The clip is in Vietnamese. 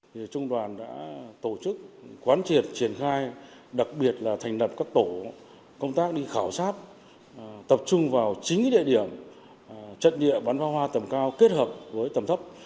thì trung đoàn đã tổ chức quán triệt triển khai đặc biệt là thành lập các tổ công tác đi khảo sát tập trung vào chính địa điểm trận địa bắn phá hoa tầm cao kết hợp với tầm thấp